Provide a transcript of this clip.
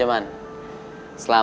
faulad meja ber media tuh